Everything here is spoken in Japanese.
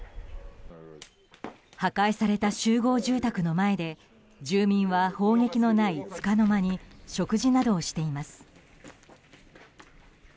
破壊された集合住宅の前で住民は砲撃のないつかの間に食事などしています。